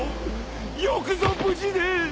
よくぞ無事で